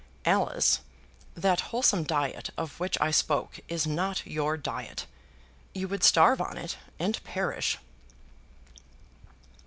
Alice, that wholesome diet of which I spoke is not your diet. You would starve on it, and perish."